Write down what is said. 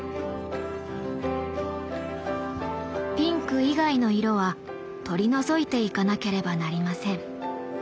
ピンク以外の色は取り除いていかなければなりません。